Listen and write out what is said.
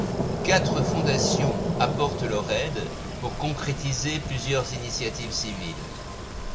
Quatre fondations apportent leur aide pour concrétiser plusieurs initiatives civiles.